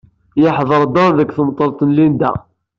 Yeḥdeṛ Dan deg temḍelt n Linda.